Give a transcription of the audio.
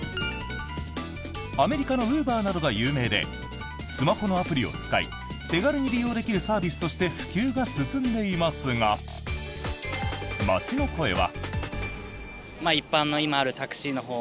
アメリカのウーバーなどが有名でスマホのアプリを使い手軽に利用できるサービスとして普及が進んでいますが街の声は。